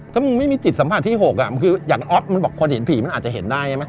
ถ้ามึงไม่มีจิตสัมผัสที่๖คืออย่างอ๊อฟมันบอกคนเห็นผีมันอาจจะเห็นได้ใช่ไหม